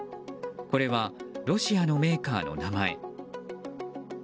これはロシアのメーカーの名前。